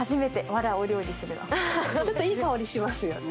ちょっといい香りしますよね。